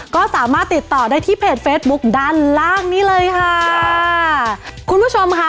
ก็สามารถติดต่อได้ที่เพจเฟซบุ๊คด้านล่างนี้เลยค่ะคุณผู้ชมค่ะ